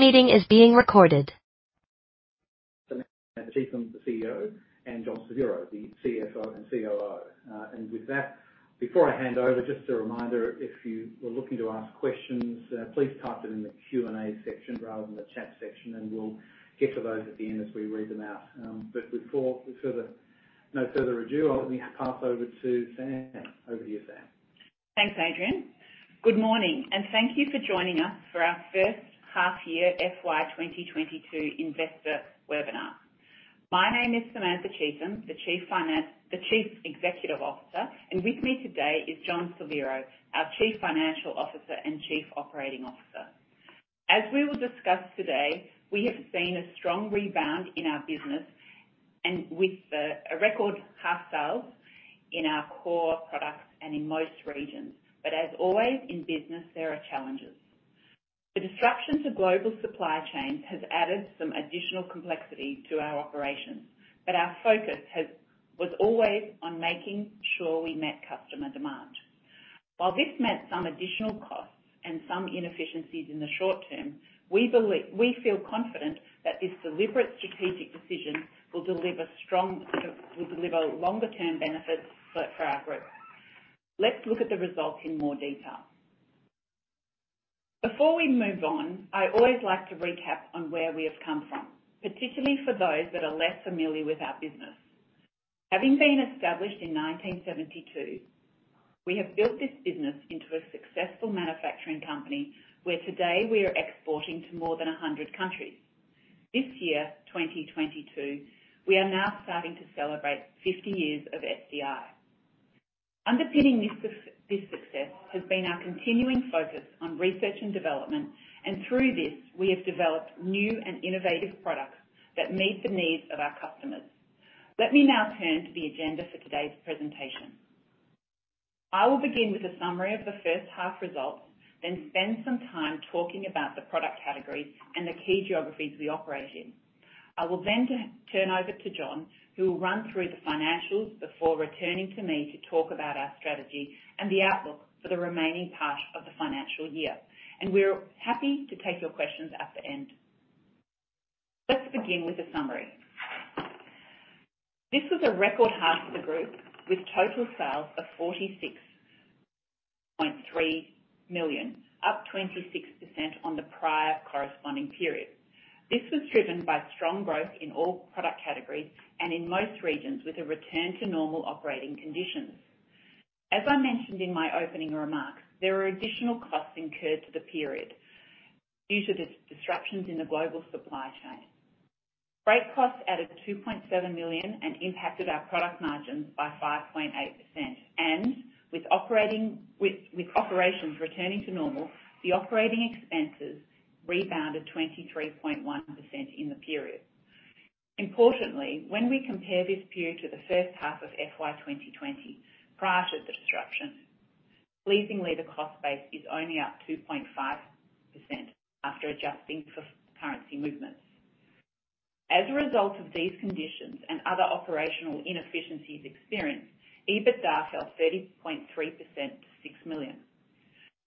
Samantha Cheetham, the CEO, and Jon Abell, the CFO and COO. With that, before I hand over, just a reminder, if you were looking to ask questions, please type it in the Q&A section rather than the chat section, and we'll get to those at the end as we read them out. Without further ado, let me hand over to Sam. Over to you, Sam. Thanks, Adrian. Good morning, and thank you for joining us for our first half year FY 2022 investor webinar. My name is Samantha Cheetham, the Chief Executive Officer, and with me today is Jon Abell, our Chief Financial Officer and Chief Operating Officer. As we will discuss today, we have seen a strong rebound in our business and with a record half sales in our core products and in most regions. As always in business, there are challenges. The disruptions of global supply chains has added some additional complexity to our operations, but our focus was always on making sure we met customer demand. While this meant some additional costs and some inefficiencies in the short term, we feel confident that this deliberate strategic decision will deliver longer term benefits for our group. Let's look at the results in more detail. Before we move on, I always like to recap on where we have come from, particularly for those that are less familiar with our business. Having been established in 1972, we have built this business into a successful manufacturing company, where today we are exporting to more than 100 countries. This year, 2022, we are now starting to celebrate 50 years of SDI. Underpinning this success has been our continuing focus on research and development, and through this, we have developed new and innovative products that meet the needs of our customers. Let me now turn to the agenda for today's presentation. I will begin with a summary of the first half results, then spend some time talking about the product categories and the key geographies we operate in. I will then turn over to Jon Abell, who will run through the financials before returning to me to talk about our strategy and the outlook for the remaining part of the financial year. We're happy to take your questions at the end. Let's begin with a summary. This was a record half for the group with total sales of 46.3 million, up 26% on the prior corresponding period. This was driven by strong growth in all product categories and in most regions, with a return to normal operating conditions. As I mentioned in my opening remarks, there are additional costs incurred to the period due to disruptions in the global supply chain. Freight costs added 2.7 million and impacted our product margins by 5.8%. With operations returning to normal, the operating expenses rebounded 23.1% in the period. Importantly, when we compare this period to the first half of FY 2020, prior to the disruption, pleasingly, the cost base is only up 2.5% after adjusting for currency movements. As a result of these conditions and other operational inefficiencies experienced, EBITDA fell 30.3% to 6 million.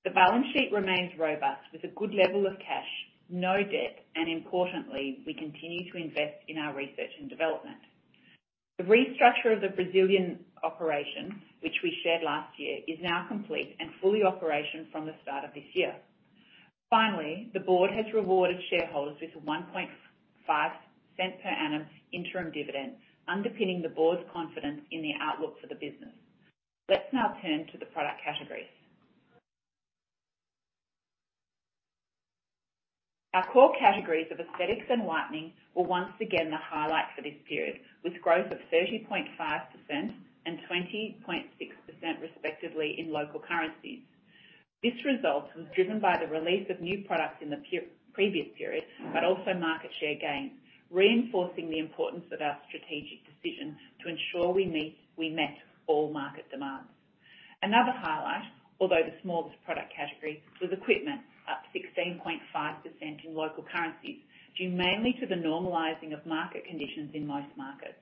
The balance sheet remains robust with a good level of cash, no debt, and importantly, we continue to invest in our research and development. The restructure of the Brazilian operation, which we shared last year, is now complete and fully operational from the start of this year. Finally, the board has rewarded shareholders with a 0.015 per annum interim dividend, underpinning the board's confidence in the outlook for the business. Let's now turn to the product categories. Our core categories of Aesthetics and Whitening were once again the highlight for this period, with growth of 30.5% and 20.6% respectively in local currencies. This result was driven by the release of new products in the previous period, but also market share gains, reinforcing the importance of our strategic decision to ensure we met all market demands. Another highlight, although the smallest product category, was equipment, up 16.5% in local currencies, due mainly to the normalizing of market conditions in most markets.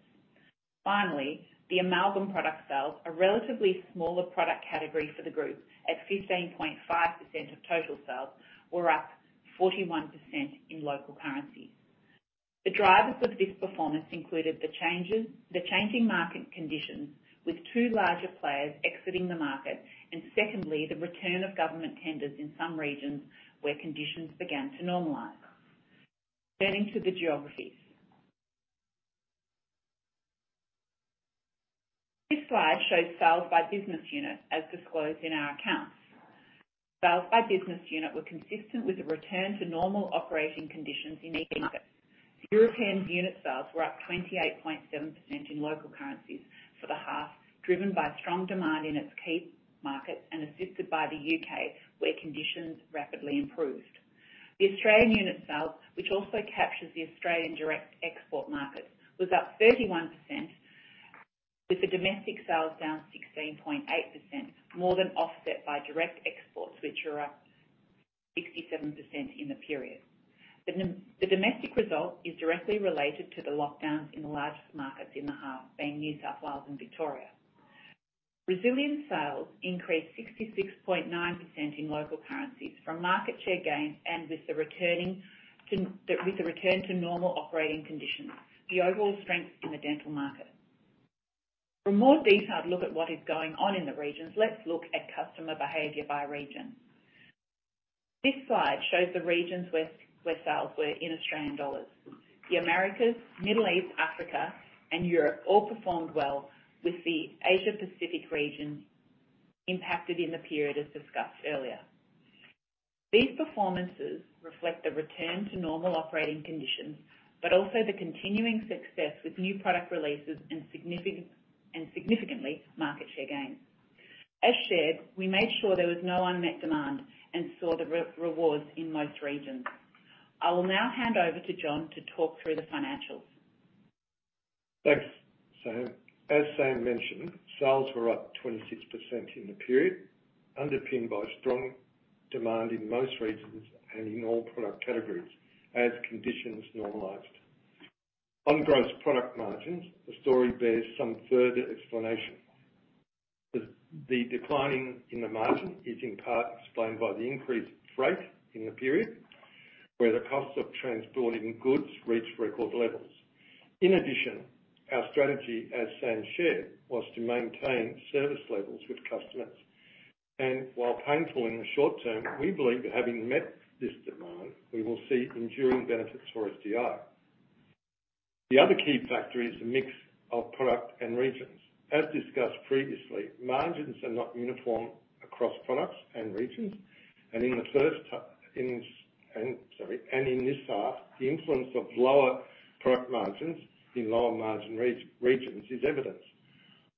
Finally, the amalgam product sales, a relatively smaller product category for the group at 15.5% of total sales, were up 41% in local currency. The drivers of this performance included the changes, the changing market conditions, with two larger players exiting the market and secondly, the return of government tenders in some regions where conditions began to normalize. Turning to the geographies. This slide shows sales by business unit as disclosed in our accounts. Sales by business unit were consistent with a return to normal operating conditions in each market. European unit sales were up 28.7% in local currencies for the half, driven by strong demand in its key market and assisted by the U.K., where conditions rapidly improved. The Australian unit sales, which also captures the Australian direct export market, was up 31%, with the domestic sales down 16.8%, more than offset by direct exports, which were up 67% in the period. The domestic result is directly related to the lockdowns in the largest markets in the half, being New South Wales and Victoria. Resilient sales increased 66.9% in local currencies from market share gains and with the return to normal operating conditions, the overall strength in the dental market. For a more detailed look at what is going on in the regions, let's look at customer behavior by region. This slide shows the regions where sales were in Australian dollars. The Americas, Middle East, Africa, and Europe all performed well with the Asia Pacific region impacted in the period as discussed earlier. These performances reflect the return to normal operating conditions, but also the continuing success with new product releases and significantly, market share gains. As shared, we made sure there was no unmet demand and saw the rewards in most regions. I will now hand over to Jon to talk through the financials. Thanks, Sam. As Sam mentioned, sales were up 26% in the period, underpinned by strong demand in most regions and in all product categories as conditions normalized. On gross product margins, the story bears some further explanation. The decline in the margin is in part explained by the increased freight in the period, where the cost of transporting goods reached record levels. In addition, our strategy, as Sam shared, was to maintain service levels with customers, and while painful in the short term, we believe that having met this demand, we will see enduring benefits for SDI. The other key factor is the mix of product and regions. As discussed previously, margins are not uniform across products and regions. In this half, the influence of lower product margins in lower-margin regions is evidenced.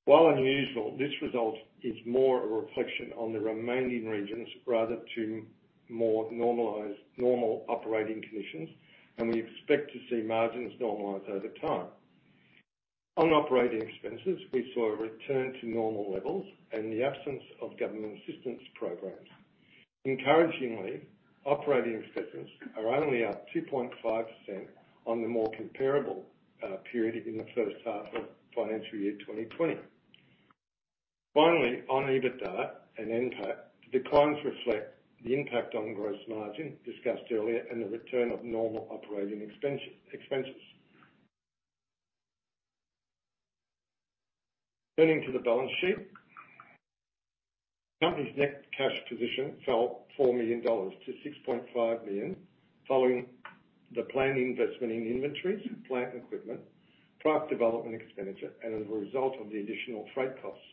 While unusual, this result is more a reflection on the remaining regions rather than more normal operating conditions, and we expect to see margins normalize over time. On operating expenses, we saw a return to normal levels and the absence of government assistance programs. Encouragingly, operating expenses are only up 2.5% on the more comparable period in the first half of financial year 2020. Finally, on EBITDA and NPAT, the declines reflect the impact on gross margin discussed earlier and the return of normal operating expenses. Turning to the balance sheet, the company's net cash position fell 4 million dollars to 6.5 million, following the planned investment in inventories, plant and equipment, product development expenditure, and as a result of the additional freight costs.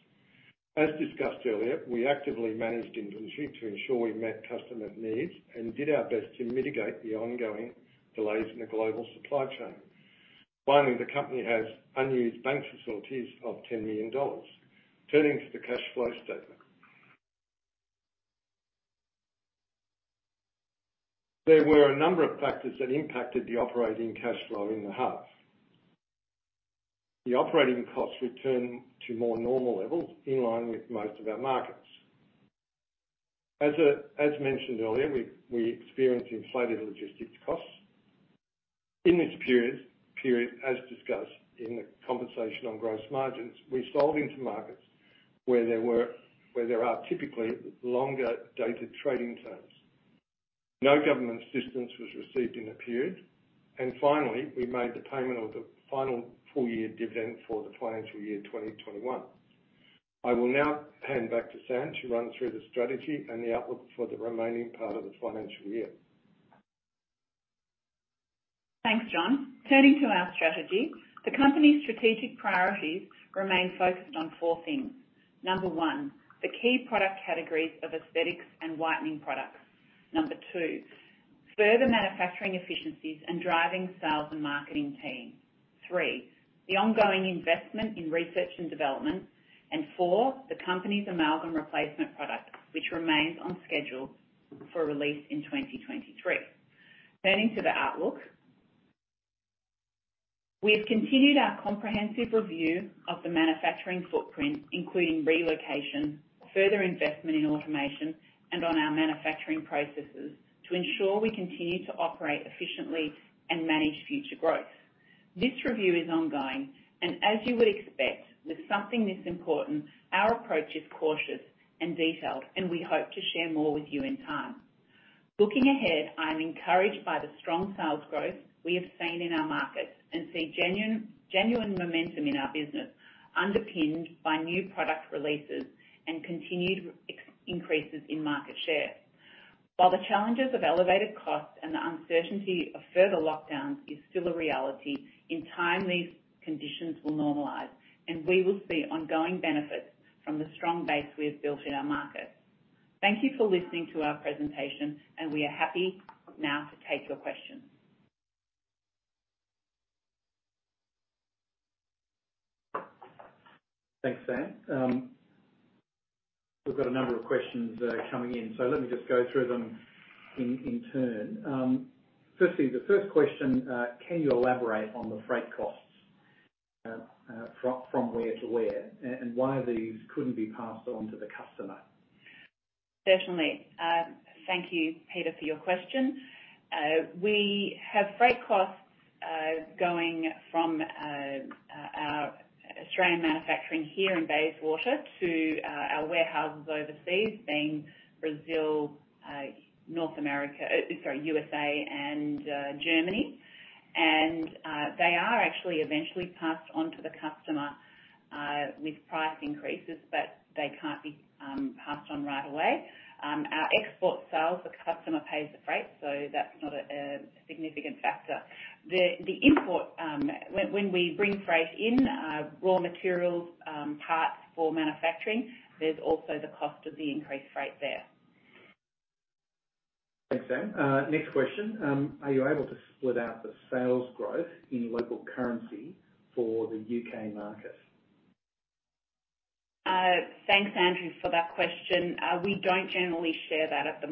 As discussed earlier, we actively managed inventory to ensure we met customer needs and did our best to mitigate the ongoing delays in the global supply chain. Finally, the company has unused bank facilities of 10 million dollars. Turning to the cash flow statement. There were a number of factors that impacted the operating cash flow in the half. The operating costs returned to more normal levels in line with most of our markets. As mentioned earlier, we experienced inflated logistics costs. In this period, as discussed in the conversation on gross margins, we sold into markets where there are typically longer-dated trading terms. No government assistance was received in the period. Finally, we made the payment of the final full-year dividend for the financial year 2021. I will now hand back to Sam to run through the strategy and the outlook for the remaining part of the financial year. Thanks, Jon. Turning to our strategy, the company's strategic priorities remain focused on four things. Number one, the key product categories of Aesthetics and Whitening products. Number two, further manufacturing efficiencies and driving sales and marketing team. Three, the ongoing investment in research and development. Four, the company's amalgam replacement product, which remains on schedule for release in 2023. Turning to the outlook. We've continued our comprehensive review of the manufacturing footprint, including relocation, further investment in automation, and on our manufacturing processes to ensure we continue to operate efficiently and manage future growth. This review is ongoing, and as you would expect with something this important, our approach is cautious and detailed, and we hope to share more with you in time. Looking ahead, I am encouraged by the strong sales growth we have seen in our markets and see genuine momentum in our business, underpinned by new product releases and continued increases in market share. While the challenges of elevated costs and the uncertainty of further lockdowns is still a reality, in time, these conditions will normalize, and we will see ongoing benefits from the strong base we have built in our market. Thank you for listening to our presentation, and we are happy now to take your questions. Thanks, Sam. We've got a number of questions coming in, so let me just go through them in turn. Firstly, the first question: Can you elaborate on the freight costs from where to where, and why these couldn't be passed on to the customer? Certainly. Thank you, Peter, for your question. We have freight costs going from our Australian manufacturing here in Bayswater to our warehouses overseas, being Brazil, USA, and Germany. They are actually eventually passed on to the customer with price increases, but they can't be passed on right away. Our export sales, the customer pays the freight, so that's not a significant factor. The import, when we bring freight in, raw materials, parts for manufacturing, there's also the cost of the increased freight there. Thanks, Sam. Next question. Are you able to split out the sales growth in local currency for the U.K. market? Thanks, Andrew, for that question. We don't generally share that at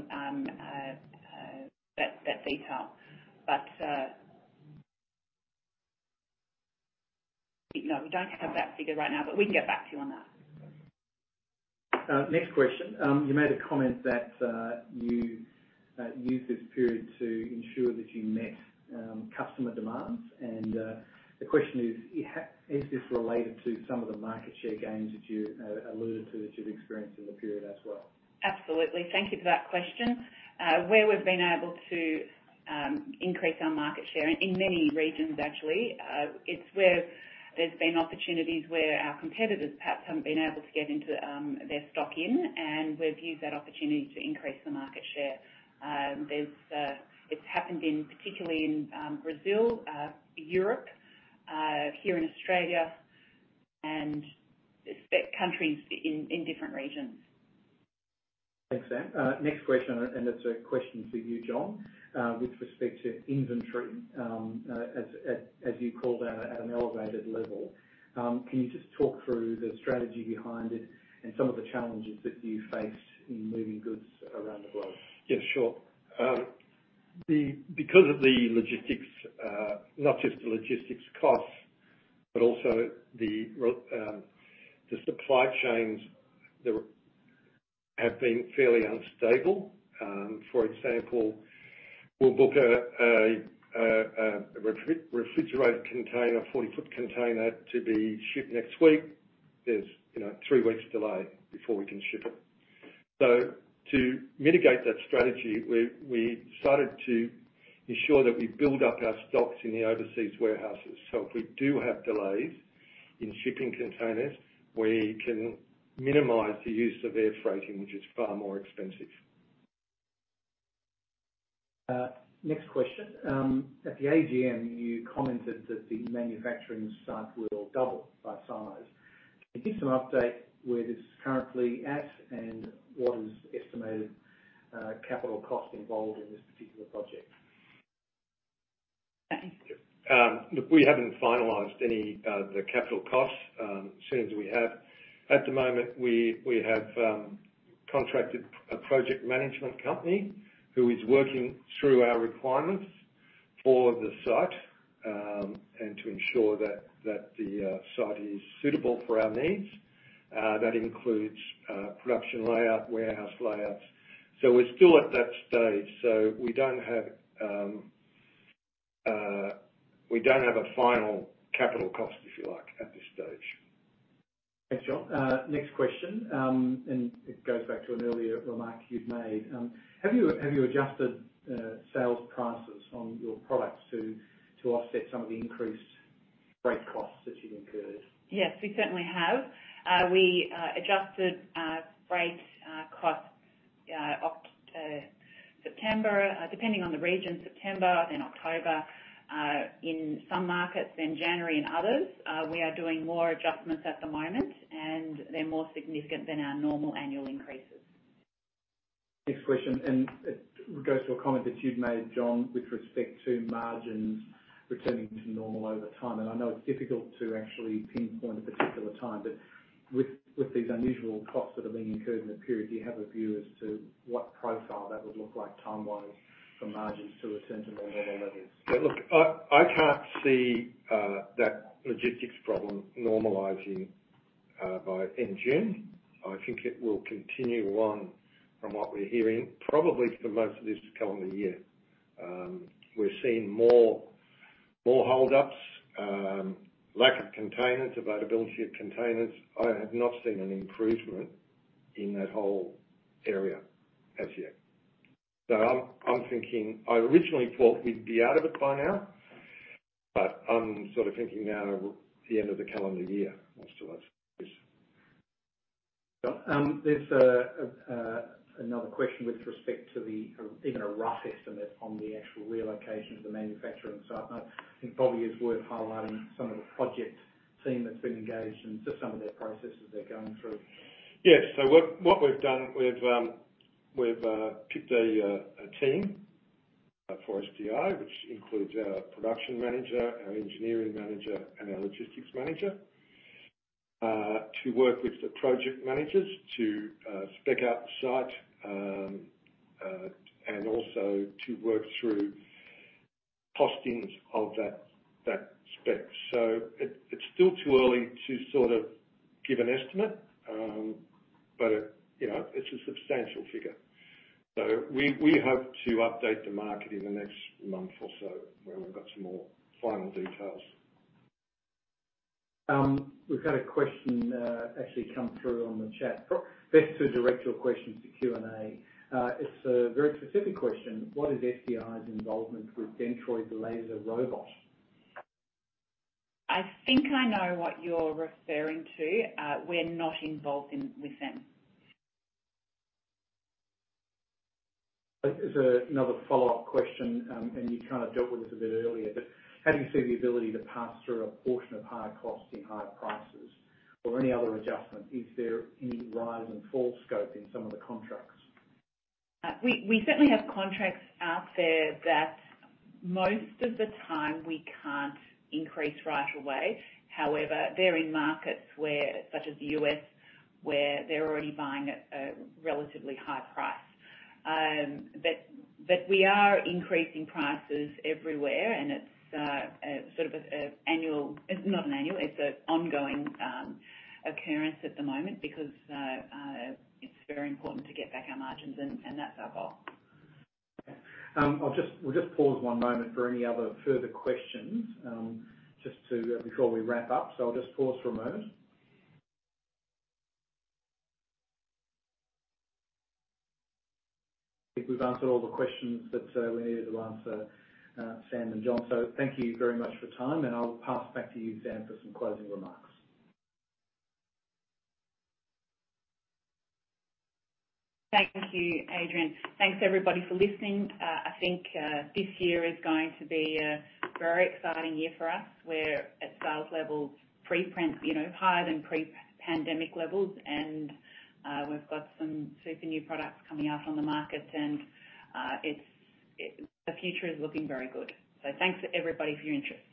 that detail. No, we don't have that figure right now, but we can get back to you on that. Next question. You made a comment that you used this period to ensure that you met customer demands. The question is this related to some of the market share gains that you alluded to that you've experienced in the period as well? Absolutely. Thank you for that question. Where we've been able to increase our market share in many regions actually, it's where there's been opportunities where our competitors perhaps haven't been able to get into their stock in, and we've used that opportunity to increase the market share. It's happened in, particularly in, Brazil, Europe, here in Australia, and specific countries in different regions. Thanks, Sam. Next question, and it's a question for you, Jon, with respect to inventory, as you called out at an elevated level. Can you just talk through the strategy behind it and some of the challenges that you faced in moving goods around the globe? Yeah, sure. Because of the logistics, not just the logistics costs, but also the supply chains have been fairly unstable. For example, we'll book a refrigerated container, 40-ft container to be shipped next week. There's three weeks delay before we can ship it. To mitigate that strategy, we started to ensure that we build up our stocks in the overseas warehouses. If we do have delays in shipping containers, we can minimize the use of air freighting, which is far more expensive. Next question. At the AGM, you commented that the manufacturing site will double by size. Can you give some update where this is currently at and what is estimated capital cost involved in this particular project? Thank you. Look, we haven't finalized any of the capital costs. As soon as we have. At the moment, we have contracted a project management company who is working through our requirements for the site and to ensure that the site is suitable for our needs. That includes production layout, warehouse layouts. We're still at that stage, so we don't have a final capital cost, if you like, at this stage. Thanks, Jon. Next question, and it goes back to an earlier remark you've made. Have you adjusted sales prices on your products to offset some of the increased freight costs that you've incurred? Yes, we certainly have. We adjusted freight costs September, depending on the region, then October in some markets, then January in others. We are doing more adjustments at the moment, and they're more significant than our normal annual increases. Next question, it goes to a comment that you've made, Jon, with respect to margins returning to normal over time. I know it's difficult to actually pinpoint a particular time, but with these unusual costs that have been incurred in the period, do you have a view as to what profile that would look like time-wise for margins to return to normal levels? Yeah, look, I can't see that logistics problem normalizing by end June. I think it will continue on, from what we're hearing, probably for most of this calendar year. We're seeing more hold-ups, lack of containers, availability of containers. I have not seen an improvement in that whole area as yet. I'm thinking I originally thought we'd be out of it by now, but I'm sort of thinking now the end of the calendar year, until that's finished. There's another question with respect to the, kind of, even a rough estimate on the actual relocation of the manufacturing site. I think probably it's worth highlighting some of the project team that's been engaged and just some of their processes they're going through. Yes. What we've done, we've picked a team for SDI, which includes our production manager, our engineering manager, and our logistics manager to work with the project managers to spec out the site, and also to work through costings of that spec. It's still too early to sort of give an estimate, but, you know, it's a substantial figure. We hope to update the market in the next month or so when we've got some more final details. We've had a question, actually come through on the chat. Best to direct your questions to Q&A. It's a very specific question: What is FTI's involvement with Dentroid's laser robot? I think I know what you're referring to. We're not involved in with them. There's another follow-up question, and you kinda dealt with this a bit earlier, but how do you see the ability to pass through a portion of higher costs in higher prices or any other adjustment? Is there any rise and fall scope in some of the contracts? We certainly have contracts out there that most of the time we can't increase right away. However, they're in markets, such as the U.S., where they're already buying at a relatively high price. We are increasing prices everywhere, and it's sort of an annual. It's not an annual, it's an ongoing occurrence at the moment because it's very important to get back our margins, and that's our goal. We'll just pause one moment for any other further questions, just to, before we wrap up. I'll just pause for a moment. I think we've answered all the questions that we needed to answer, Sam and Jon, so thank you very much for your time and I'll pass back to you, Sam, for some closing remarks. Thank you, Adrian. Thanks everybody for listening. I think this year is going to be a very exciting year for us. We're at sales levels pre-pandemic, you know, higher than pre-pandemic levels and we've got some super new products coming out on the market and it's. The future is looking very good. Thanks everybody for your interest.